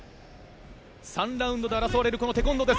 ３ラウンドで争われるテコンドーです。